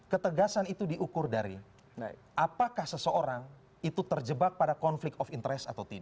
ketegasan itu diukur dari apakah seseorang itu terjebak pada konflik of interest atau tidak